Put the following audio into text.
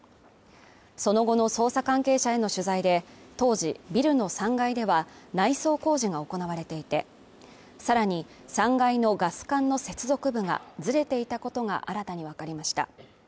その後の捜査関係者への取材で、当時、ビルの３階では内装工事が行われていて、さらに３階のガス管の接続部がずれていたことが新たにわかりました。